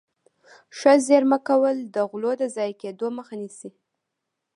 ښه زيرمه کول د غلو د ضايع کېدو مخه نيسي.